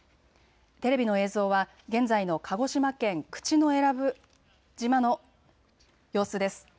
テレビの映像は現在の鹿児島県口永良部島の様子です。